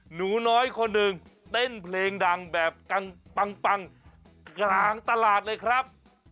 หนูน้อยคนหนึ่งเต้นเพลงดังแบบปังกลางตลาดเลยครับ